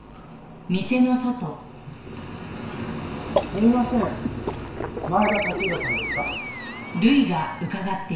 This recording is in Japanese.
すみません前田勝弘さんですか？